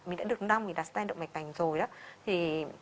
mình đã được năm mình đã stand động mạch bành rồi